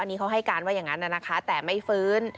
อันนี้เขาให้การว่าอย่างนั้นนะคะแต่ไม่ฟื้น